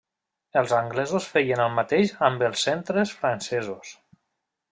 Els anglesos feien el mateix amb els centres francesos.